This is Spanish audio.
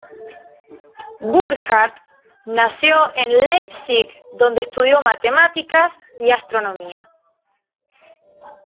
Burckhardt nació en Leipzig, donde estudió matemáticas y astronomía.